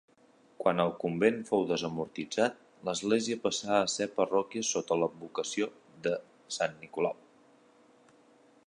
Quan el convent fou desamortitzat, l'església passà a ésser parròquia sota l'advocació de Sant Nicolau.